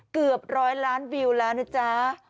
เกือบร้อยล้านวิวแล้วนะจ๊ะ